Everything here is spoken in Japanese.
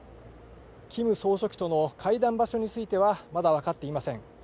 キム総書記との会談場所についてはまだ分かっていません。